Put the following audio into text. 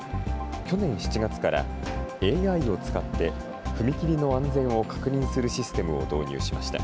去年７月から、ＡＩを使って踏切の安全を確認するシステムを導入しました。